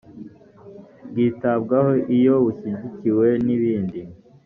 bwitabwaho iyo bushyigikiwe n ibindi